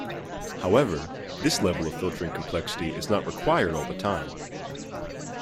However, this level of filtering complexity is not required all the time.